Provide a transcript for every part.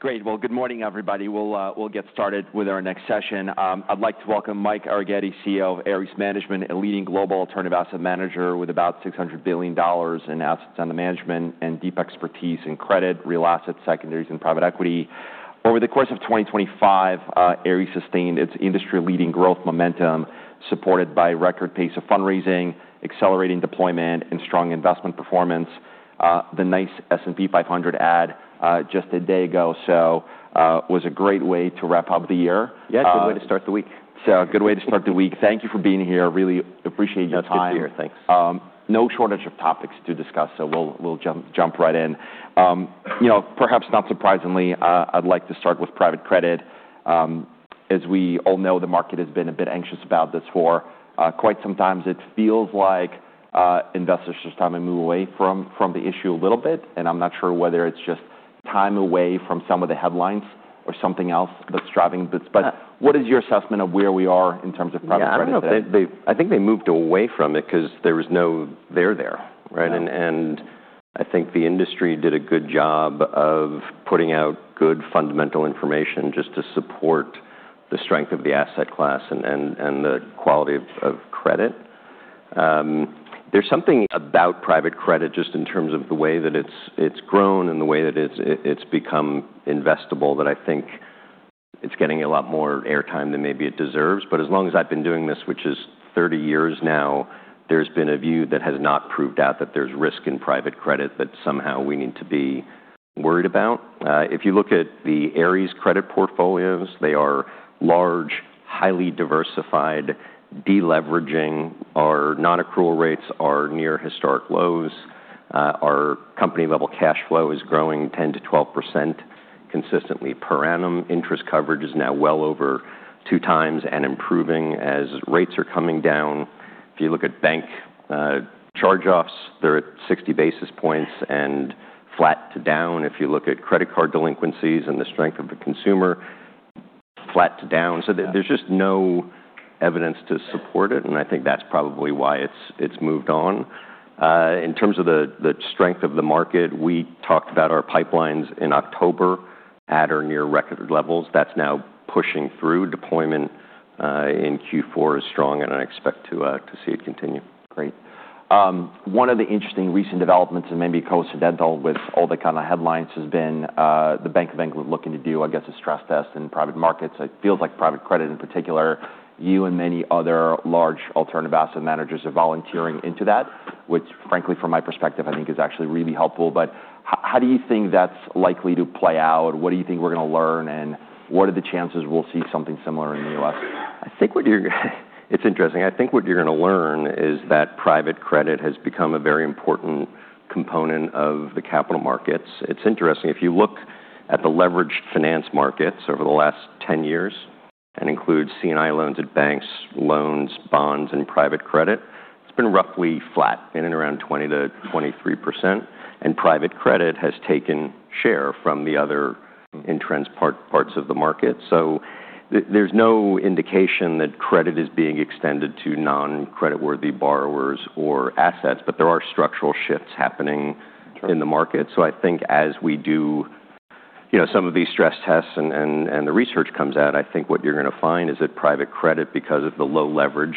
Great. Well, good morning, everybody. We'll get started with our next session. I'd like to welcome Mike Arougheti, CEO of Ares Management, a leading global alternative asset manager with about $600 billion in assets under management and deep expertise in credit, real assets, secondaries, and private equity. Over the course of 2025, Ares sustained its industry-leading growth momentum, supported by a record pace of fundraising, accelerating deployment, and strong investment performance. The nice S&P 500 add just a day ago was a great way to wrap up the year. Yeah, good way to start the week. So, good way to start the week. Thank you for being here. Really appreciate your time. That's good to hear. Thanks. No shortage of topics to discuss, so we'll jump right in. Perhaps not surprisingly, I'd like to start with private credit. As we all know, the market has been a bit anxious about this for quite some time. It feels like investors are starting to move away from the issue a little bit, and I'm not sure whether it's just time away from some of the headlines or something else that's driving this, but what is your assessment of where we are in terms of private credit? I don't know. I think they moved away from it because there was no there there, and I think the industry did a good job of putting out good fundamental information just to support the strength of the asset class and the quality of credit. There's something about private credit just in terms of the way that it's grown and the way that it's become investable that I think it's getting a lot more airtime than maybe it deserves, but as long as I've been doing this, which is 30 years now, there's been a view that has not proved out that there's risk in private credit that somehow we need to be worried about. If you look at the Ares credit portfolios, they are large, highly diversified, deleveraging, our non-accrual rates are near historic lows, our company-level cash flow is growing 10%-12% consistently per annum, interest coverage is now well over two times and improving as rates are coming down. If you look at bank charge-offs, they're at 60 basis points and flat to down. If you look at credit card delinquencies and the strength of the consumer, flat to down. So there's just no evidence to support it. And I think that's probably why it's moved on. In terms of the strength of the market, we talked about our pipelines in October at or near record levels. That's now pushing through. Deployment in Q4 is strong, and I expect to see it continue. Great. One of the interesting recent developments, and maybe coincidental with all the kind of headlines, has been the Bank of England looking to do, I guess, a stress test in private markets. It feels like private credit in particular, you and many other large alternative asset managers are volunteering into that, which, frankly, from my perspective, I think is actually really helpful. But how do you think that's likely to play out? What do you think we're going to learn? And what are the chances we'll see something similar in the U.S.? It's interesting. I think what you're going to learn is that private credit has become a very important component of the capital markets. It's interesting. If you look at the leveraged finance markets over the last 10 years, and include C&I loans at banks, loans, bonds, and private credit, it's been roughly flat, in and around 20%-23%. And private credit has taken share from the other in-trans parts of the market. So there's no indication that credit is being extended to non-creditworthy borrowers or assets, but there are structural shifts happening in the market. So I think as we do some of these stress tests and the research comes out, I think what you're going to find is that private credit, because of the low leverage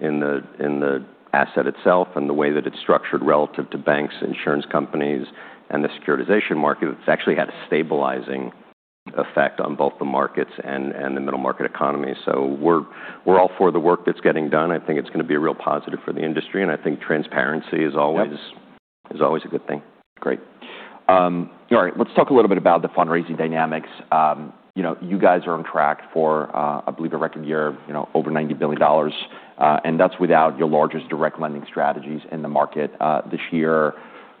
in the asset itself and the way that it's structured relative to banks, insurance companies, and the securitization market, it's actually had a stabilizing effect on both the markets and the middle market economy. So we're all for the work that's getting done. I think it's going to be a real positive for the industry. And I think transparency is always a good thing. Great. All right. Let's talk a little bit about the fundraising dynamics. You guys are on track for, I believe, a record year, over $90 billion. And that's without your largest direct lending strategies in the market this year. A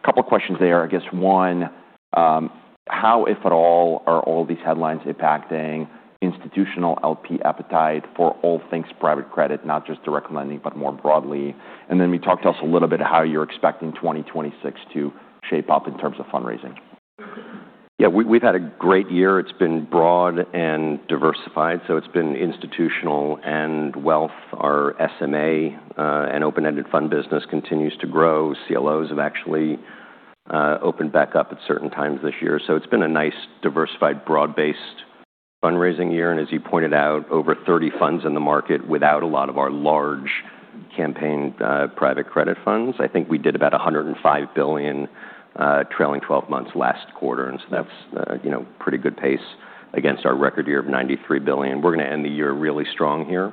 couple of questions there, I guess. One, how, if at all, are all these headlines impacting institutional LP appetite for all things private credit, not just direct lending, but more broadly? And then maybe talk to us a little bit how you're expecting 2026 to shape up in terms of fundraising. Yeah, we've had a great year. It's been broad and diversified, so it's been institutional and wealth. Our SMA and open-ended fund business continues to grow. CLOs have actually opened back up at certain times this year, so it's been a nice, diversified, broad-based fundraising year, and as you pointed out, over 30 funds in the market without a lot of our large-cap private credit funds. I think we did about $105 billion trailing 12 months last quarter, and so that's a pretty good pace against our record year of $93 billion. We're going to end the year really strong here.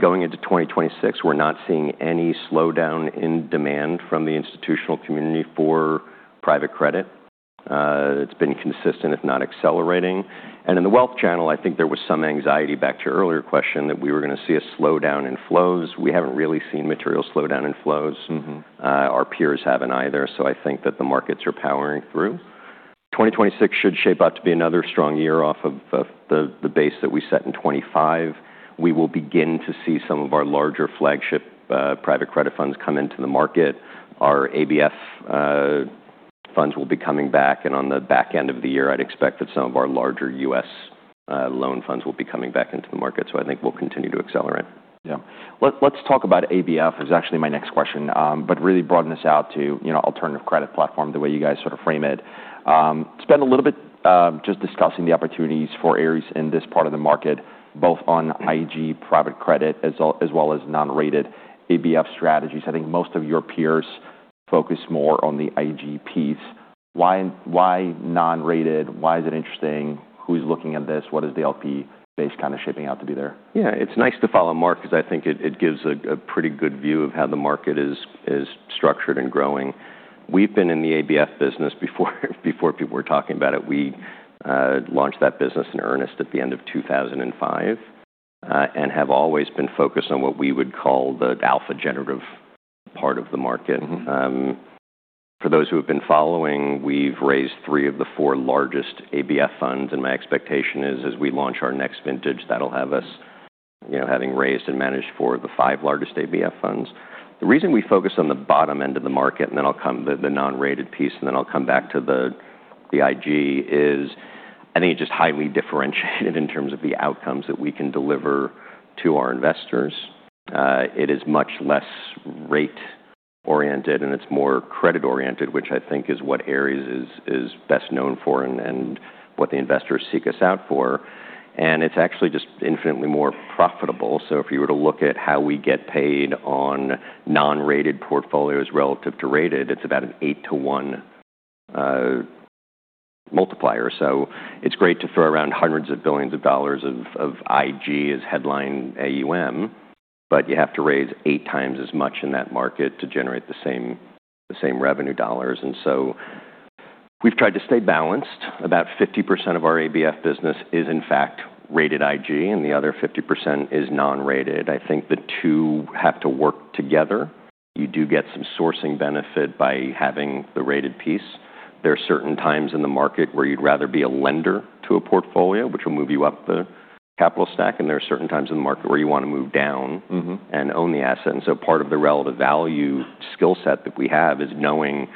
Going into 2026, we're not seeing any slowdown in demand from the institutional community for private credit. It's been consistent, if not accelerating. And in the wealth channel, I think there was some anxiety back to your earlier question that we were going to see a slowdown in flows. We haven't really seen material slowdown in flows. Our peers haven't either. So I think that the markets are powering through. 2026 should shape up to be another strong year off of the base that we set in 2025. We will begin to see some of our larger flagship private credit funds come into the market. Our ABF funds will be coming back. And on the back end of the year, I'd expect that some of our larger U.S. loan funds will be coming back into the market. So I think we'll continue to accelerate. Yeah. Let's talk about ABF, which is actually my next question, but really broaden this out to alternative credit platform, the way you guys sort of frame it. Spend a little bit just discussing the opportunities for Ares in this part of the market, both on IG private credit as well as non-rated ABF strategies. I think most of your peers focus more on the IG piece. Why non-rated? Why is it interesting? Who's looking at this? What is the LP base kind of shaping out to be there? Yeah, it's nice to follow Mark because I think it gives a pretty good view of how the market is structured and growing. We've been in the ABF business before people were talking about it. We launched that business in earnest at the end of 2005 and have always been focused on what we would call the alpha generative part of the market. For those who have been following, we've raised three of the four largest ABF funds, and my expectation is, as we launch our next vintage, that'll have us having raised and managed for the five largest ABF funds. The reason we focus on the bottom end of the market, and then I'll come to the non-rated piece, and then I'll come back to the IG, is I think it's just highly differentiated in terms of the outcomes that we can deliver to our investors. It is much less rate-oriented, and it's more credit-oriented, which I think is what Ares is best known for and what the investors seek us out for. And it's actually just infinitely more profitable. So if you were to look at how we get paid on non-rated portfolios relative to rated, it's about an eight to one multiplier. So it's great to throw around hundreds of billions of dollars of IG as headline AUM, but you have to raise eight times as much in that market to generate the same revenue dollars. And so we've tried to stay balanced. About 50% of our ABF business is, in fact, rated IG, and the other 50% is non-rated. I think the two have to work together. You do get some sourcing benefit by having the rated piece. There are certain times in the market where you'd rather be a lender to a portfolio, which will move you up the capital stack. And there are certain times in the market where you want to move down and own the asset. And so part of the relative value skill set that we have is knowing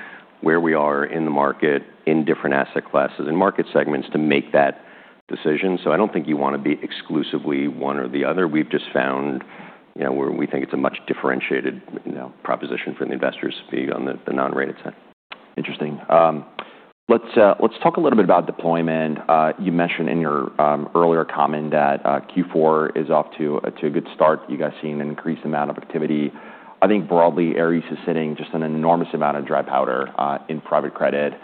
where we are in the market, in different asset classes and market segments to make that decision. So I don't think you want to be exclusively one or the other. We've just found where we think it's a much differentiated proposition for the investors to be on the non-rated side. Interesting. Let's talk a little bit about deployment. You mentioned in your earlier comment that Q4 is off to a good start. You guys see an increased amount of activity. I think broadly, Ares is sitting just on an enormous amount of dry powder in private credit,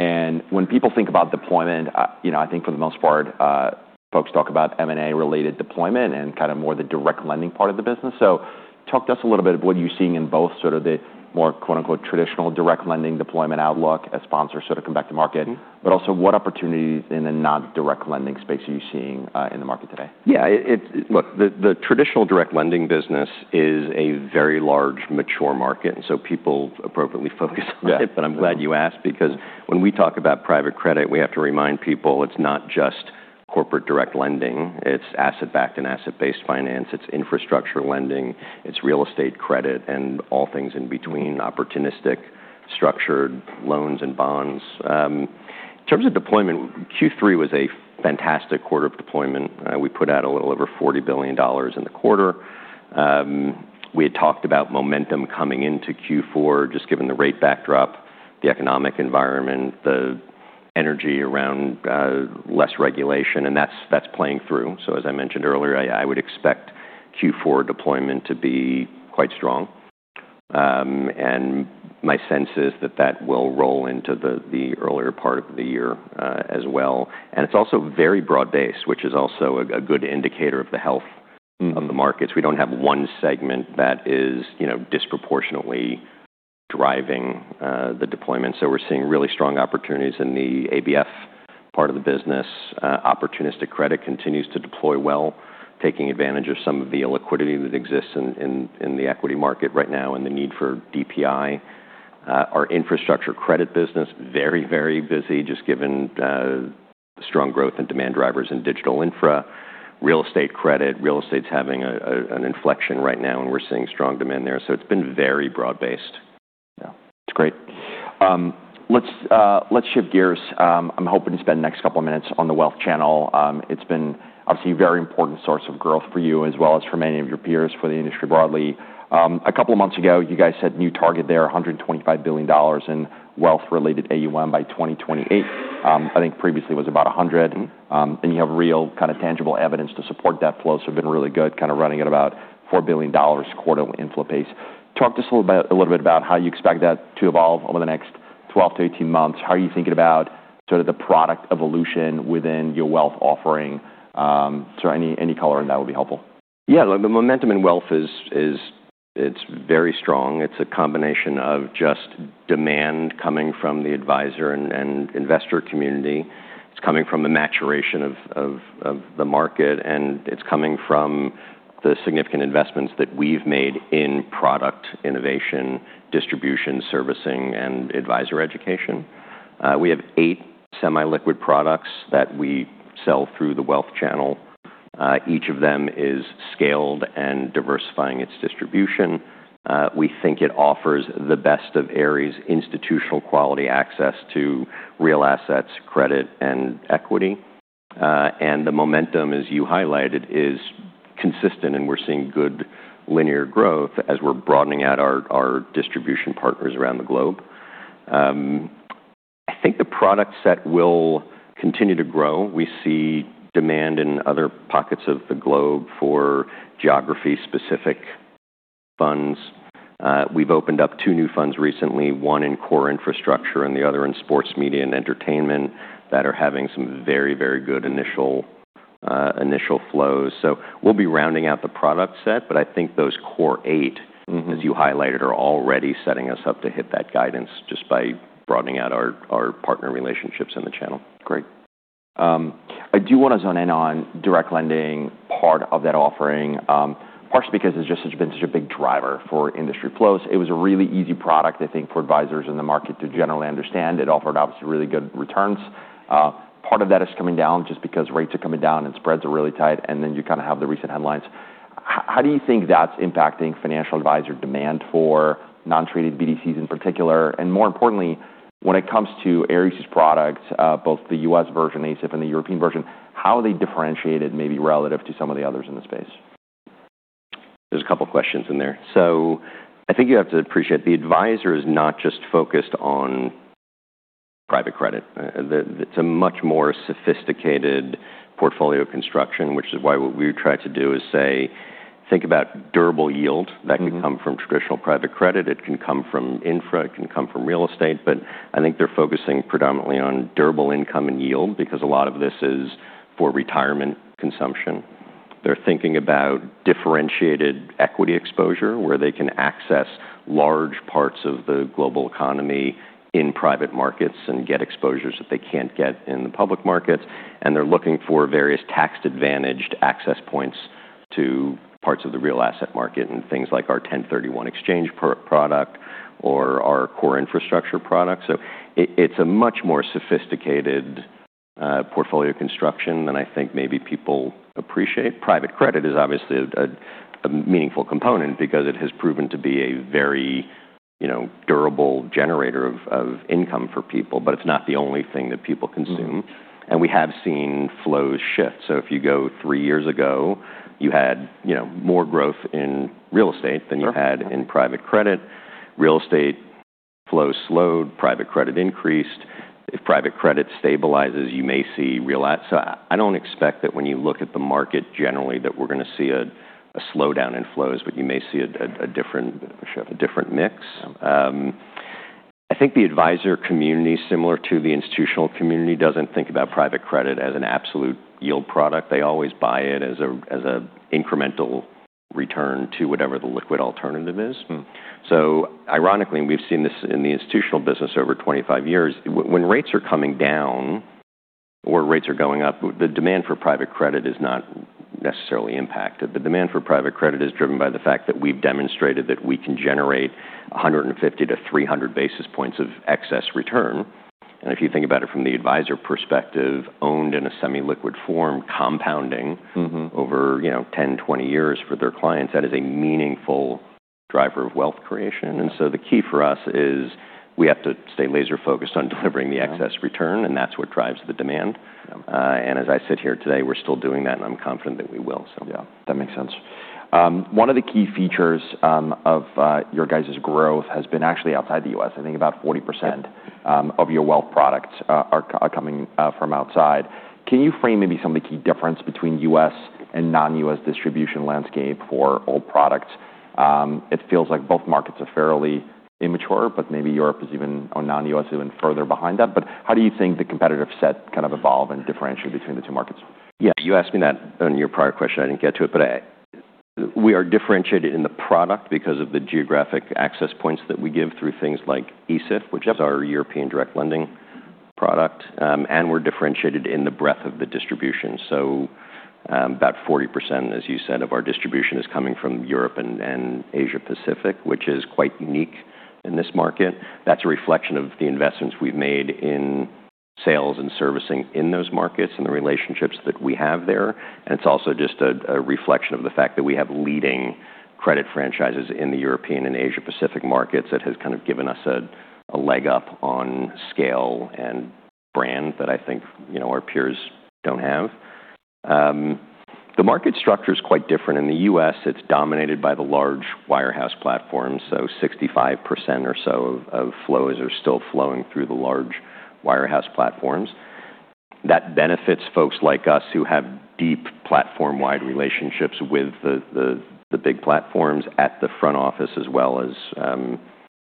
and when people think about deployment, I think for the most part, folks talk about M&A-related deployment and kind of more the direct lending part of the business, so talk to us a little bit of what you're seeing in both sort of the more "traditional" direct lending deployment outlook as sponsors sort of come back to market, but also what opportunities in the non-direct lending space are you seeing in the market today? Yeah. Look, the traditional direct lending business is a very large, mature market. And so people appropriately focus on it. But I'm glad you asked because when we talk about private credit, we have to remind people it's not just corporate direct lending. It's asset-backed and asset-based finance. It's infrastructure lending. It's real estate credit and all things in between: opportunistic, structured loans and bonds. In terms of deployment, Q3 was a fantastic quarter of deployment. We put out a little over $40 billion in the quarter. We had talked about momentum coming into Q4, just given the rate backdrop, the economic environment, the energy around less regulation, and that's playing through. So as I mentioned earlier, I would expect Q4 deployment to be quite strong. And my sense is that that will roll into the earlier part of the year as well. And it's also very broad-based, which is also a good indicator of the health of the markets. We don't have one segment that is disproportionately driving the deployment. So we're seeing really strong opportunities in the ABF part of the business. Opportunistic credit continues to deploy well, taking advantage of some of the illiquidity that exists in the equity market right now and the need for DPI. Our infrastructure credit business is very, very busy, just given the strong growth in demand drivers in digital infra, real estate credit. Real estate's having an inflection right now, and we're seeing strong demand there. So it's been very broad-based. That's great. Let's shift gears. I'm hoping to spend the next couple of minutes on the wealth channel. It's been, obviously, a very important source of growth for you as well as for many of your peers for the industry broadly. A couple of months ago, you guys had new target there, $125 billion in wealth-related AUM by 2028. I think previously it was about 100. And you have real kind of tangible evidence to support that flow. So it's been really good, kind of running at about $4 billion quarterly inflow pace. Talk to us a little bit about how you expect that to evolve over the next 12-18 months. How are you thinking about sort of the product evolution within your wealth offering? So any color on that would be helpful. Yeah. The momentum in wealth, it's very strong. It's a combination of just demand coming from the advisor and investor community. It's coming from the maturation of the market, and it's coming from the significant investments that we've made in product innovation, distribution, servicing, and advisor education. We have eight semi-liquid products that we sell through the wealth channel. Each of them is scaled and diversifying its distribution. We think it offers the best of Ares' institutional quality access to real assets, credit, and equity. And the momentum, as you highlighted, is consistent, and we're seeing good linear growth as we're broadening out our distribution partners around the globe. I think the product set will continue to grow. We see demand in other pockets of the globe for geography-specific funds. We've opened up two new funds recently, one in core infrastructure and the other in sports, media, and entertainment, that are having some very, very good initial flows, so we'll be rounding out the product set, but I think those core eight, as you highlighted, are already setting us up to hit that guidance just by broadening out our partner relationships in the channel. Great. I do want to zone in on direct lending part of that offering, partially because it's just been such a big driver for industry flows. It was a really easy product, I think, for advisors in the market to generally understand. It offered, obviously, really good returns. Part of that is coming down just because rates are coming down and spreads are really tight. And then you kind of have the recent headlines. How do you think that's impacting financial advisor demand for non-traded BDCs in particular? And more importantly, when it comes to Ares' products, both the U.S. version, ASIF, and the European version, how are they differentiated maybe relative to some of the others in the space? There's a couple of questions in there, so I think you have to appreciate the advisor is not just focused on private credit. It's a much more sophisticated portfolio construction, which is why what we try to do is say, think about durable yield that can come from traditional private credit. It can come from infra. It can come from real estate, but I think they're focusing predominantly on durable income and yield because a lot of this is for retirement consumption. They're thinking about differentiated equity exposure where they can access large parts of the global economy in private markets and get exposures that they can't get in the public markets, and they're looking for various tax-advantaged access points to parts of the real asset market and things like our 1031 exchange product or our core infrastructure product. So it's a much more sophisticated portfolio construction than I think maybe people appreciate. Private credit is obviously a meaningful component because it has proven to be a very durable generator of income for people, but it's not the only thing that people consume. And we have seen flows shift. So if you go three years ago, you had more growth in real estate than you had in private credit. Real estate flow slowed. Private credit increased. If private credit stabilizes, you may see real assets. So I don't expect that when you look at the market generally that we're going to see a slowdown in flows, but you may see a different mix. I think the advisor community, similar to the institutional community, doesn't think about private credit as an absolute yield product. They always buy it as an incremental return to whatever the liquid alternative is. So ironically, and we've seen this in the institutional business over 25 years, when rates are coming down or rates are going up, the demand for private credit is not necessarily impacted. The demand for private credit is driven by the fact that we've demonstrated that we can generate 150 to 300 basis points of excess return. And if you think about it from the advisor perspective, owned in a semi-liquid form, compounding over 10, 20 years for their clients, that is a meaningful driver of wealth creation. And so the key for us is we have to stay laser-focused on delivering the excess return, and that's what drives the demand. And as I sit here today, we're still doing that, and I'm confident that we will, so. Yeah. That makes sense. One of the key features of your guys' growth has been actually outside the U.S. I think about 40% of your wealth products are coming from outside. Can you frame maybe some of the key difference between U.S. and non-U.S. distribution landscape for alt products? It feels like both markets are fairly immature, but maybe Europe is even, or non-U.S. is even further behind that. But how do you think the competitive set kind of evolve and differentiate between the two markets? Yeah. You asked me that on your prior question. I didn't get to it, but we are differentiated in the product because of the geographic access points that we give through things like ASIF, which is our European direct lending product. And we're differentiated in the breadth of the distribution. So about 40%, as you said, of our distribution is coming from Europe and Asia-Pacific, which is quite unique in this market. That's a reflection of the investments we've made in sales and servicing in those markets and the relationships that we have there. And it's also just a reflection of the fact that we have leading credit franchises in the European and Asia-Pacific markets that has kind of given us a leg up on scale and brand that I think our peers don't have. The market structure is quite different. In the U.S., it's dominated by the large wirehouse platforms. So 65% or so of flows are still flowing through the large wirehouse platforms. That benefits folks like us who have deep platform-wide relationships with the big platforms at the front office as well as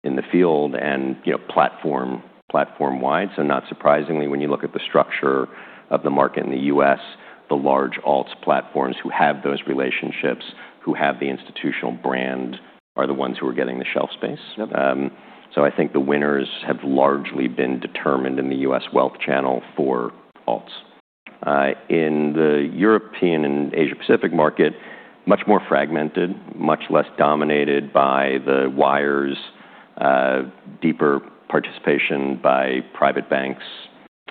in the field and platform-wide. So not surprisingly, when you look at the structure of the market in the U.S., the large alts platforms who have those relationships, who have the institutional brand, are the ones who are getting the shelf space. So I think the winners have largely been determined in the U.S. wealth channel for alts. In the European and Asia-Pacific market, much more fragmented, much less dominated by the wires, deeper participation by private banks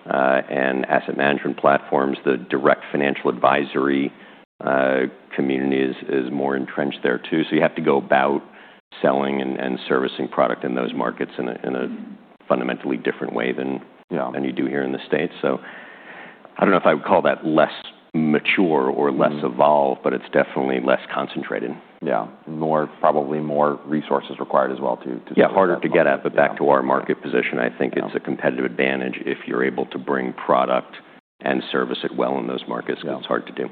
and asset management platforms. The direct financial advisory community is more entrenched there too. So you have to go about selling and servicing product in those markets in a fundamentally different way than you do here in the States. So I don't know if I would call that less mature or less evolved, but it's definitely less concentrated. Yeah. Probably more resources required as well to. Yeah, harder to get at, but back to our market position, I think it's a competitive advantage if you're able to bring product and service it well in those markets. It's hard to do.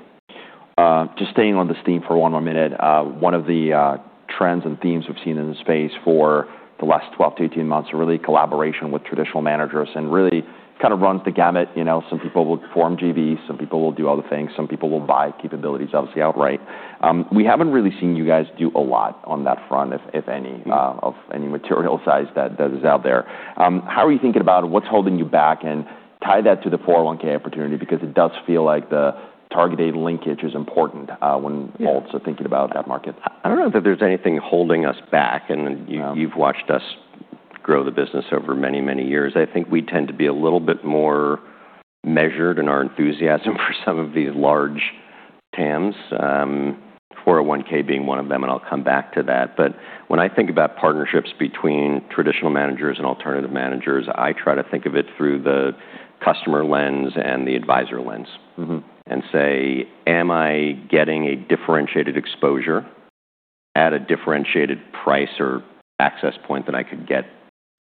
Just staying on the theme for one more minute, one of the trends and themes we've seen in the space for the last 12 to 18 months are really collaboration with traditional managers and really kind of runs the gamut. Some people will form JVs. Some people will do other things. Some people will buy capabilities, obviously, outright. We haven't really seen you guys do a lot on that front, if any, of any material size that is out there. How are you thinking about what's holding you back and tie that to the 401(k) opportunity because it does feel like the targeted linkage is important when folks are thinking about that market? I don't know that there's anything holding us back. And you've watched us grow the business over many, many years. I think we tend to be a little bit more measured in our enthusiasm for some of these large TAMs, 401(k) being one of them, and I'll come back to that. But when I think about partnerships between traditional managers and alternative managers, I try to think of it through the customer lens and the advisor lens and say, "Am I getting a differentiated exposure at a differentiated price or access point than I could get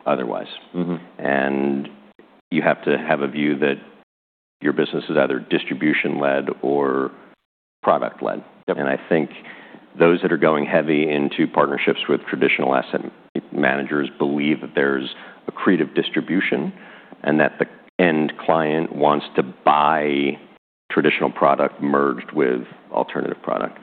otherwise?" And you have to have a view that your business is either distribution-led or product-led. And I think those that are going heavy into partnerships with traditional asset managers believe that there's a creative distribution and that the end client wants to buy traditional product merged with alternative product.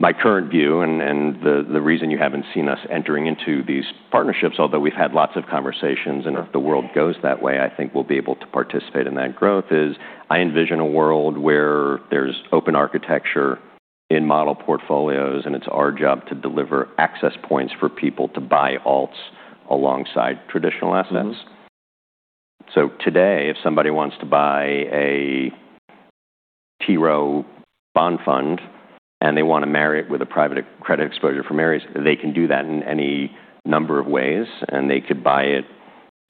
My current view, and the reason you haven't seen us entering into these partnerships, although we've had lots of conversations and if the world goes that way, I think we'll be able to participate in that growth, is I envision a world where there's open architecture in model portfolios, and it's our job to deliver access points for people to buy alts alongside traditional assets. So today, if somebody wants to buy a T. Rowe bond fund and they want to marry it with a private credit exposure from Ares, they can do that in any number of ways. And they could buy it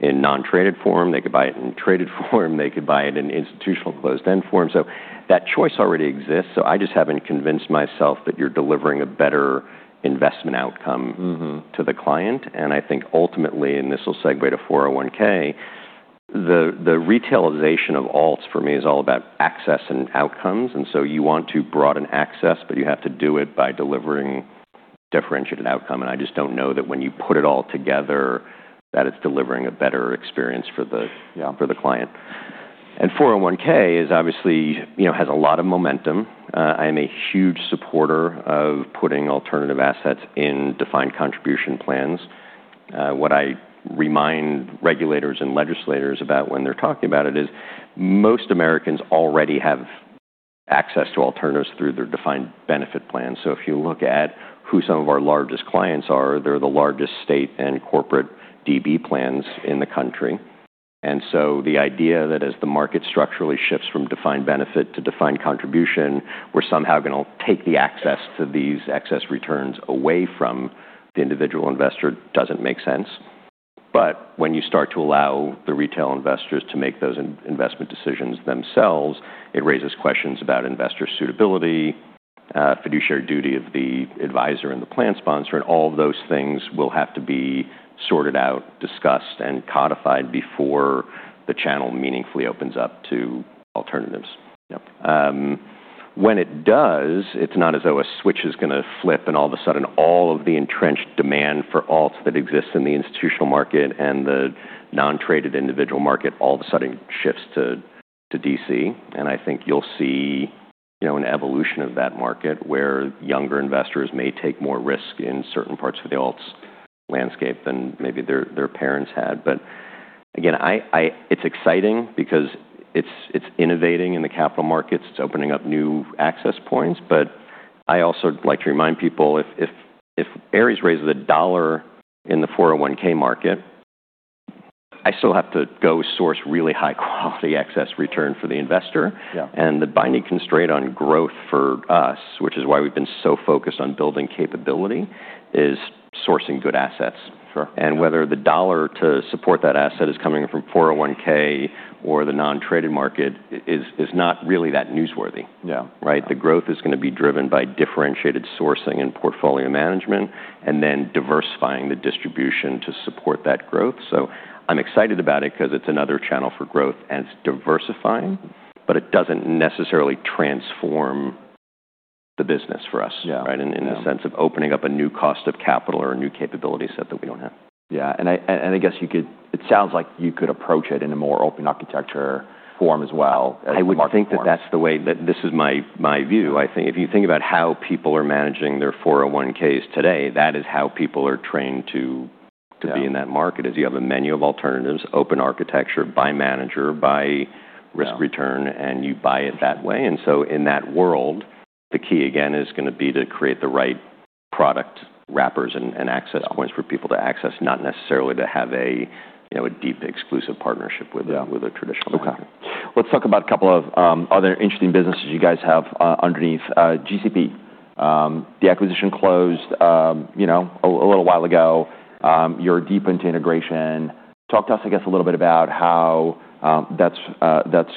in non-traded form. They could buy it in traded form. They could buy it in institutional closed-end form. So that choice already exists. So I just haven't convinced myself that you're delivering a better investment outcome to the client. And I think ultimately, and this will segue to 401(k), the retailization of alts for me is all about access and outcomes. And so you want to broaden access, but you have to do it by delivering differentiated outcome. And I just don't know that when you put it all together, that it's delivering a better experience for the client. And 401(k) obviously has a lot of momentum. I am a huge supporter of putting alternative assets in defined contribution plans. What I remind regulators and legislators about when they're talking about it is most Americans already have access to alternatives through their defined benefit plans. So if you look at who some of our largest clients are, they're the largest state and corporate DB plans in the country. And so the idea that as the market structurally shifts from defined benefit to defined contribution, we're somehow going to take the access to these excess returns away from the individual investor doesn't make sense. But when you start to allow the retail investors to make those investment decisions themselves, it raises questions about investor suitability, fiduciary duty of the advisor and the plan sponsor, and all of those things will have to be sorted out, discussed, and codified before the channel meaningfully opens up to alternatives. When it does, it's not as though a switch is going to flip and all of a sudden all of the entrenched demand for alts that exists in the institutional market and the non-traded individual market all of a sudden shifts to DC. And I think you'll see an evolution of that market where younger investors may take more risk in certain parts of the alts landscape than maybe their parents had. But again, it's exciting because it's innovating in the capital markets. It's opening up new access points. But I also like to remind people if Ares raises a dollar in the 401(k) market, I still have to go source really high-quality excess return for the investor. And the binding constraint on growth for us, which is why we've been so focused on building capability, is sourcing good assets. And whether the dollar to support that asset is coming from 401(k) or the non-traded market is not really that newsworthy. The growth is going to be driven by differentiated sourcing and portfolio management and then diversifying the distribution to support that growth. So I'm excited about it because it's another channel for growth, and it's diversifying, but it doesn't necessarily transform the business for us in the sense of opening up a new cost of capital or a new capability set that we don't have. Yeah, and I guess it sounds like you could approach it in a more open architecture form as well. I would think that that's the way that this is, my view. If you think about how people are managing their 401(k)s today, that is how people are trained to be in that market, is you have a menu of alternatives, open architecture by manager, by risk return, and you buy it that way, and so in that world, the key again is going to be to create the right product wrappers and access points for people to access, not necessarily to have a deep exclusive partnership with a traditional market. Okay. Let's talk about a couple of other interesting businesses you guys have underneath. GCP, the acquisition closed a little while ago. You're deep into integration. Talk to us, I guess, a little bit about how that's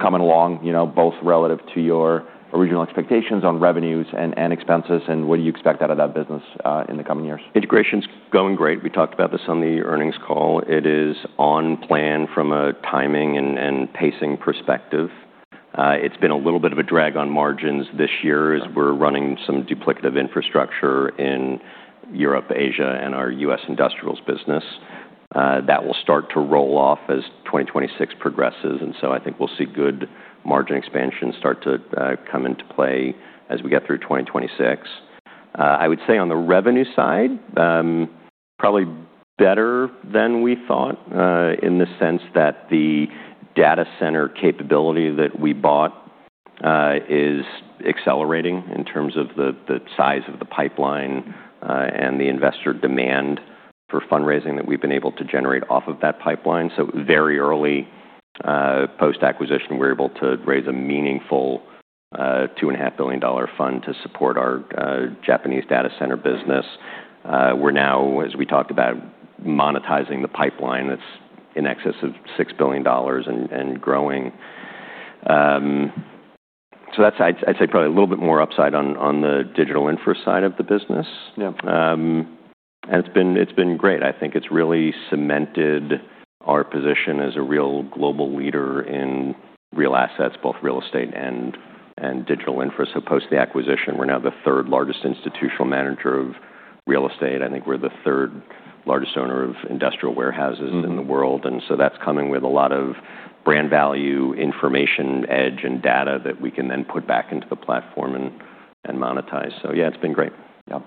coming along, both relative to your original expectations on revenues and expenses, and what do you expect out of that business in the coming years? Integration's going great. We talked about this on the earnings call. It is on plan from a timing and pacing perspective. It's been a little bit of a drag on margins this year as we're running some duplicative infrastructure in Europe, Asia, and our U.S. industrials business. That will start to roll off as 2026 progresses, and so I think we'll see good margin expansion start to come into play as we get through 2026. I would say on the revenue side, probably better than we thought in the sense that the data center capability that we bought is accelerating in terms of the size of the pipeline and the investor demand for fundraising that we've been able to generate off of that pipeline, so very early post-acquisition, we're able to raise a meaningful $2.5 billion fund to support our Japanese data center business. We're now, as we talked about, monetizing the pipeline that's in excess of $6 billion and growing. So I'd say probably a little bit more upside on the digital infra side of the business. And it's been great. I think it's really cemented our position as a real global leader in real assets, both real estate and digital infra. So post the acquisition, we're now the third largest institutional manager of real estate. I think we're the third largest owner of industrial warehouses in the world. And so that's coming with a lot of brand value, information, edge, and data that we can then put back into the platform and monetize. So yeah, it's been great.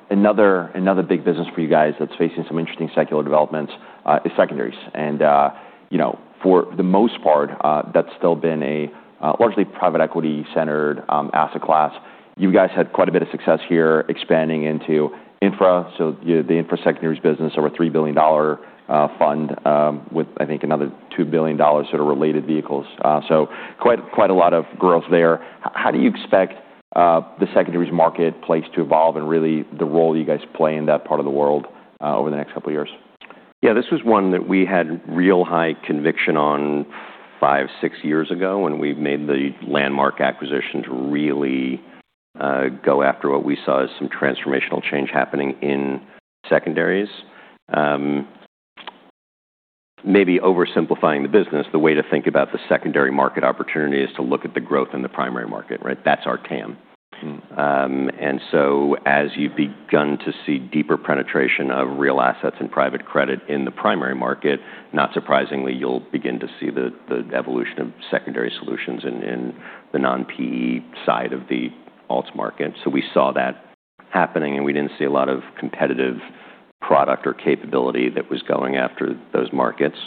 Another big business for you guys that's facing some interesting secular developments is secondaries, and for the most part, that's still been a largely private equity-centered asset class. You guys had quite a bit of success here expanding into infra, so the infra secondaries business, over $3 billion fund with, I think, another $2 billion sort of related vehicles, so quite a lot of growth there. How do you expect the secondaries marketplace to evolve and really the role you guys play in that part of the world over the next couple of years? Yeah, this was one that we had real high conviction on five, six years ago when we made the landmark acquisitions really go after what we saw as some transformational change happening in secondaries. Maybe oversimplifying the business, the way to think about the secondary market opportunity is to look at the growth in the primary market. That's our TAM, and so as you begin to see deeper penetration of real assets and private credit in the primary market, not surprisingly, you'll begin to see the evolution of secondary solutions in the non-PE side of the alts market, so we saw that happening, and we didn't see a lot of competitive product or capability that was going after those markets.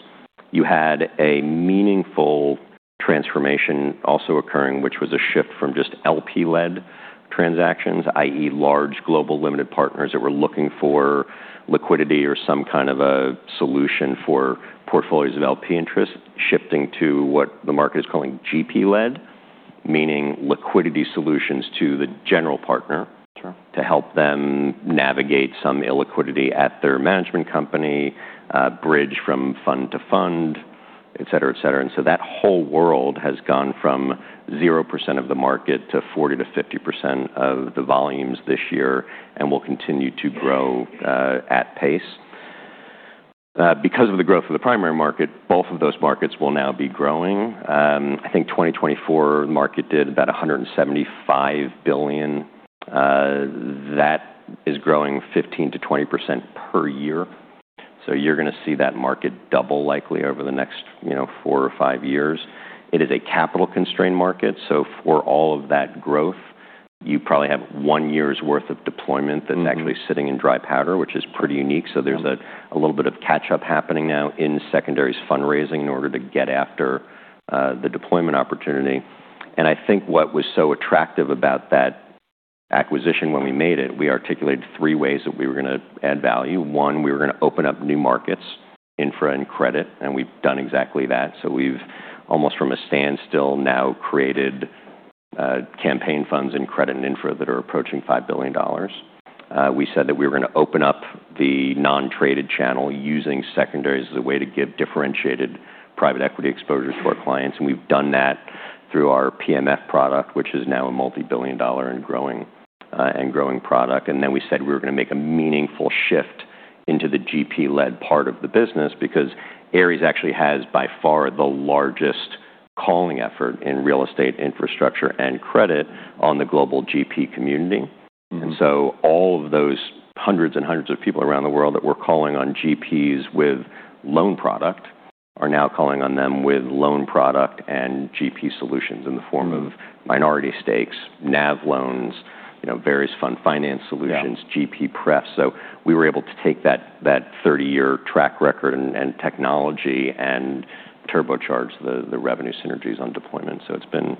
You had a meaningful transformation also occurring, which was a shift from just LP-led transactions, i.e., large global limited partners that were looking for liquidity or some kind of a solution for portfolios of LP interests, shifting to what the market is calling GP-led, meaning liquidity solutions to the general partner to help them navigate some illiquidity at their management company, bridge from fund to fund, etc., etc., and so that whole world has gone from 0% of the market to 40%-50% of the volumes this year and will continue to grow at pace, because of the growth of the primary market, both of those markets will now be growing. I think 2024 market did about $175 billion. That is growing 15%-20% per year, so you're going to see that market double likely over the next four or five years. It is a capital-constrained market. So for all of that growth, you probably have one year's worth of deployment that's actually sitting in dry powder, which is pretty unique. So there's a little bit of catch-up happening now in secondaries fundraising in order to get after the deployment opportunity. And I think what was so attractive about that acquisition when we made it, we articulated three ways that we were going to add value. One, we were going to open up new markets, infra, and credit. And we've done exactly that. So we've almost from a standstill now created campaign funds and credit and infra that are approaching $5 billion. We said that we were going to open up the non-traded channel using secondaries as a way to give differentiated private equity exposure to our clients. And we've done that through our PMF product, which is now a multi-billion dollar and growing product. And then we said we were going to make a meaningful shift into the GP-led part of the business because Ares actually has by far the largest calling effort in real estate, infrastructure, and credit on the global GP community. And so all of those hundreds and hundreds of people around the world that were calling on GPs with loan product are now calling on them with loan product and GP solutions in the form of minority stakes, NAV loans, various fund finance solutions, GP prefs. So we were able to take that 30-year track record and technology and turbocharge the revenue synergies on deployment. So it's been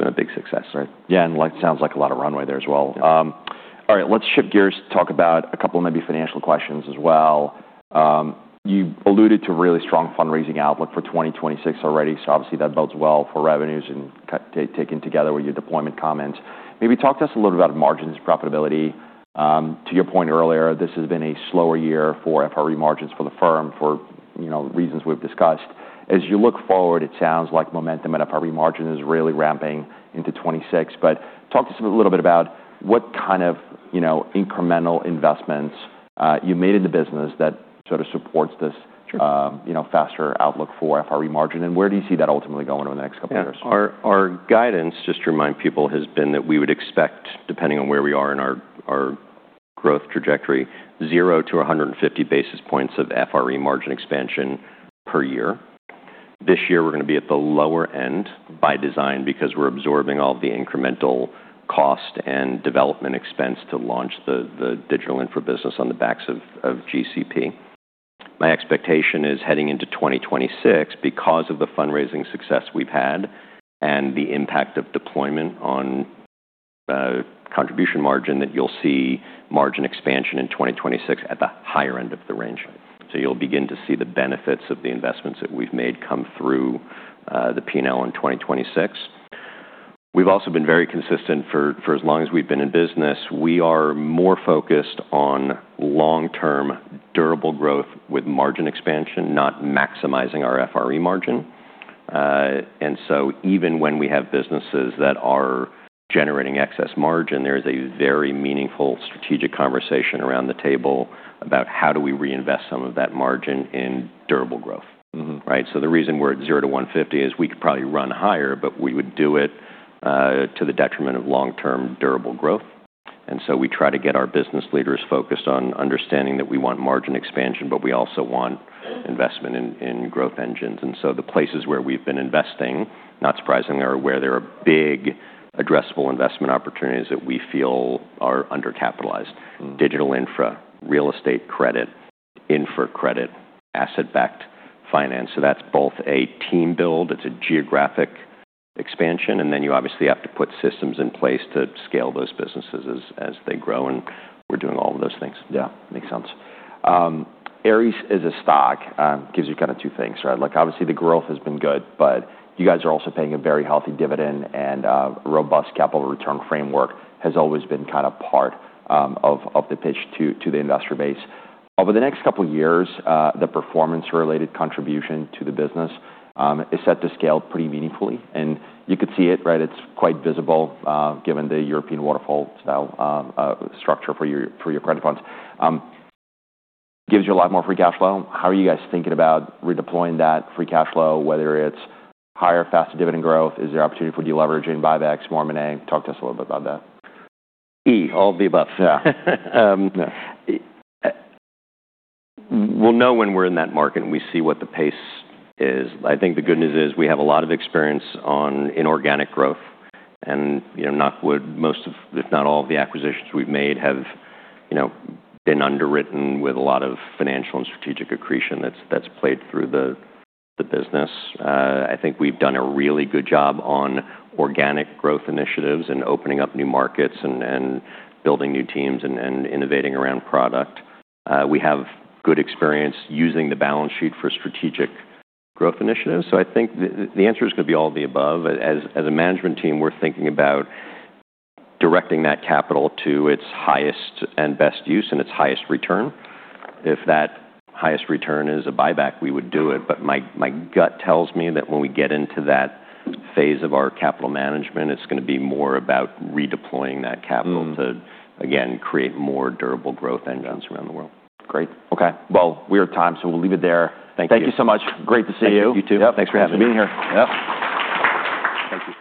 a big success. Yeah. And it sounds like a lot of runway there as well. All right. Let's shift gears, talk about a couple of maybe financial questions as well. You alluded to a really strong fundraising outlook for 2026 already. So obviously that bodes well for revenues and taken together with your deployment comments. Maybe talk to us a little bit about margins and profitability? To your point earlier, this has been a slower year for FRE margins for the firm for reasons we've discussed. As you look forward, it sounds like momentum at FRE margin is really ramping into 2026. But talk to us a little bit about what kind of incremental investments you made in the business that sort of supports this faster outlook for FRE margin? And where do you see that ultimately going over the next couple of years? Yeah. Our guidance, just to remind people, has been that we would expect, depending on where we are in our growth trajectory, -150 basis points of FRE margin expansion per year. This year, we're going to be at the lower end by design because we're absorbing all the incremental cost and development expense to launch the digital infra business on the backs of GCP. My expectation is heading into 2026, because of the fundraising success we've had and the impact of deployment on contribution margin, that you'll see margin expansion in 2026 at the higher end of the range. So you'll begin to see the benefits of the investments that we've made come through the P&L in 2026. We've also been very consistent for as long as we've been in business. We are more focused on long-term durable growth with margin expansion, not maximizing our FRE margin. And so even when we have businesses that are generating excess margin, there is a very meaningful strategic conversation around the table about how do we reinvest some of that margin in durable growth. So the reason we're at 0-150 is we could probably run higher, but we would do it to the detriment of long-term durable growth. And so we try to get our business leaders focused on understanding that we want margin expansion, but we also want investment in growth engines. And so the places where we've been investing, not surprisingly, are where there are big addressable investment opportunities that we feel are undercapitalized: digital infra, real estate credit, infra credit, asset-backed finance. So that's both a team build. It's a geographic expansion. And then you obviously have to put systems in place to scale those businesses as they grow. We're doing all of those things. Yeah. Makes sense. Ares is a stock. It gives you kind of two things. Obviously, the growth has been good, but you guys are also paying a very healthy dividend, and a robust capital return framework has always been kind of part of the pitch to the investor base. Over the next couple of years, the performance-related contribution to the business is set to scale pretty meaningfully, and you could see it. It's quite visible given the European waterfall style structure for your credit funds. It gives you a lot more free cash flow. How are you guys thinking about redeploying that free cash flow, whether it's higher, faster dividend growth? Is there opportunity for deleveraging, buybacks, more money? Talk to us a little bit about that. E, all of the above. Yeah. We'll know when we're in that market and we see what the pace is. I think the good news is we have a lot of experience in organic growth, and not with most, if not all, of the acquisitions we've made have been underwritten with a lot of financial and strategic accretion that's played through the business. I think we've done a really good job on organic growth initiatives and opening up new markets and building new teams and innovating around product. We have good experience using the balance sheet for strategic growth initiatives, so I think the answer is going to be all of the above. As a management team, we're thinking about directing that capital to its highest and best use and its highest return. If that highest return is a buyback, we would do it. But my gut tells me that when we get into that phase of our capital management, it's going to be more about redeploying that capital to, again, create more durable growth engines around the world. Great. Okay. Well, we are at time, so we'll leave it there. Thank you. Thank you so much. Great to see you. Thank you, too. Thanks for having me. Nice to be here. Yep. Thank you.